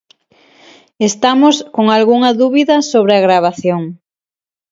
Estamos con algunha dúbida sobre a gravación.